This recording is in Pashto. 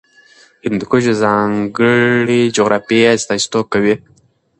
هندوکش د ځانګړې جغرافیې استازیتوب کوي.